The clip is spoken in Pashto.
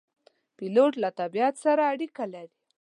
پیلوټ له طبیعت سره اړیکه لري.